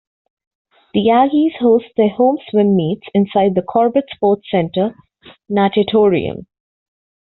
The Aggies host their home swim meets inside the Corbett Sports Center Natatorium.